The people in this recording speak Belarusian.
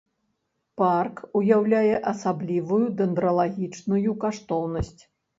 Парк уяўляе асаблівую дэндралагічную каштоўнасць.